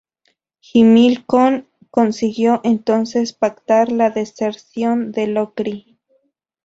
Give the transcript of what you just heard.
Himilcón consiguió entonces pactar la deserción de Locri.